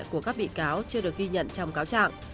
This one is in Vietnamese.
của các bị cáo chưa được ghi nhận trong cáo trạng